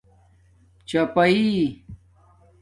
چپݳئئ